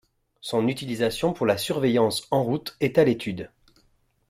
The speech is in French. Son utilisation pour la surveillance en-route est à l'étude.